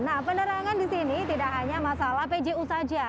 nah penerangan di sini tidak hanya masalah pju saja